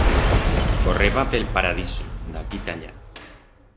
Correba pe'l Paradiso, d'aquí ta allá.